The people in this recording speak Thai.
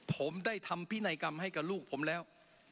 ผมได้ทำพินัยกรรมให้กับลูกผมแล้ว